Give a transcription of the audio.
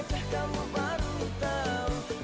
terima kasih atin